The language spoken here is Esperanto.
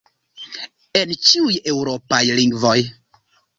En ĉiuj eŭropaj lingvoj.